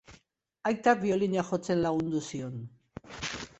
Aitak biolina jotzen lagundu zion.